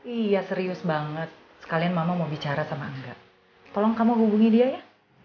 iya serius banget sekalian mama mau bicara sama angga tolong kamu hubungi dia ya